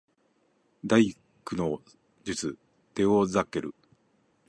第九の術テオザケル